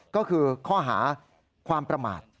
ก็คือข้อหาความประมาท